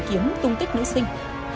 kiếm tung tích nữ sinh